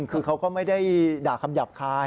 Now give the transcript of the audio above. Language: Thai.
คือเขาก็ไม่ได้ด่าคำหยาบคาย